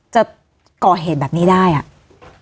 จะก่อเหตุแบบนี้ได้อ่ะ